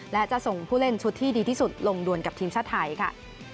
และจะส่งผู้เล่นชุดที่ดีที่สุดลงด่วนกับทีมชาติไทยค่ะ